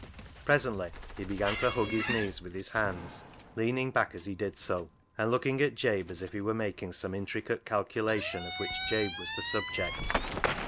Presently he began to hug his knees with his hands, leaning back as he did so, and look ing at Jabe as if he were making some intricate calculation of which Jabe was the subject.